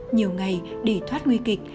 nhiều ngày để thoát nguy kịch